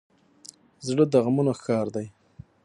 زړه د غمونو ښکار دی.